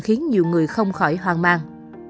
khiến nhiều người không khỏi hoàng mang